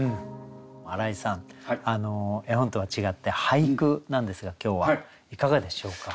荒井さん絵本とは違って俳句なんですが今日はいかがでしょうか？